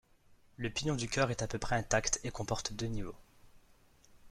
Le pignon du chœur est à peu près intact et comporte deux niveaux.